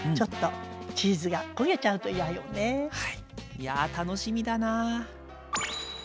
いや楽しみだな。